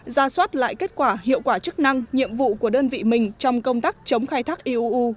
ra soát lại kết quả hiệu quả chức năng nhiệm vụ của đơn vị mình trong công tác chống khai thác iuu